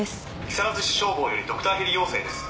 木更津市消防よりドクターヘリ要請です。